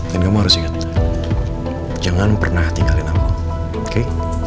dan kamu harus ingat jangan pernah tinggalin aku oke